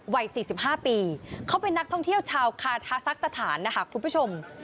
วัย๔๕ปีเขาเป็นนักท่องเที่ยวชาวคาทาซักสถานนะคะคุณผู้ชม